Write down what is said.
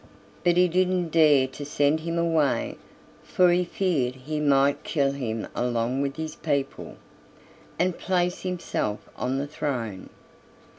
But he didn't dare to send him away, for he feared he might kill him along with his people, and place himself on the throne.